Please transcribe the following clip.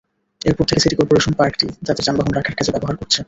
এরপর থেকে city corporation পার্কটি তাদের যানবাহন রাখার কাজে ব্যবহার করছে।